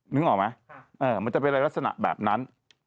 นึกออกไหมมันจะเป็นอะไรลักษณะแบบนั้น